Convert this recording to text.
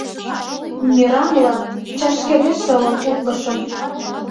Мераҥла чашкереш шылын утлышым.